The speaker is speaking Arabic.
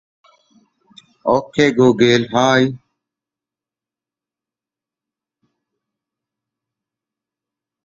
يا ذا الذي لو هجاه مادحه